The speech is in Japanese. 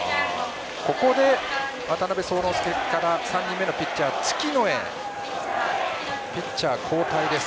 ここで渡邉聡之介から３人目のピッチャー月野へピッチャー交代です。